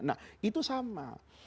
nah itu sama